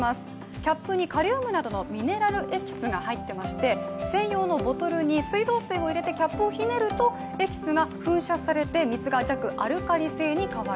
キャップにカリウムなどのミネラルエキスが入っていまして専用のボトルに水道水を入れてキャップをひねるとエキスが噴射されて水が弱アルカリ性に変わる。